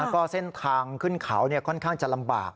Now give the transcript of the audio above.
ก็เส้นทางขึ้นเขาค่อนข้างจะลำบาก